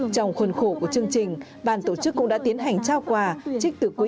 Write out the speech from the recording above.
trong khuôn khổ của chương trình bàn tổ chức cũng đã tiến hành trao quà trích từ quỹ